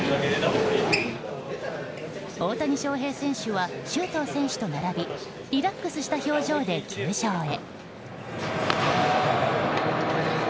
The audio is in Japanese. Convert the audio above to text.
大谷翔平選手は周東選手と並びリラックスした表情で球場へ。